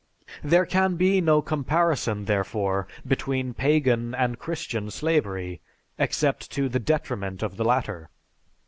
There can be no comparison, therefore, between Pagan and Christian slavery, except to the detriment of the latter.